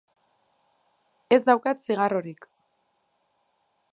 Ez daukat zigarrorik.